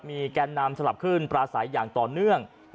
มีแกนนำสลับขึ้นปลาใสอย่างต่อเนื่อง